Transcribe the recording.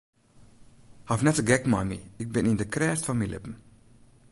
Haw net de gek mei my, ik bin yn de krêft fan myn libben.